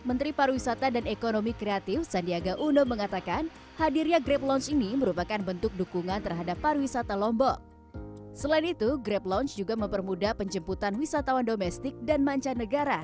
perwisata lombok selain itu grab launch juga mempermudah penjemputan wisatawan domestik dan mancanegara